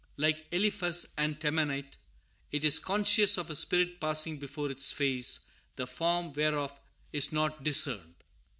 Like Eliphaz the Temanite, it is conscious of a spirit passing before its face, the form whereof is not discerned.